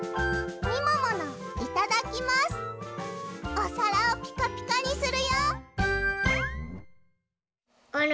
おさらをピカピカにするよ！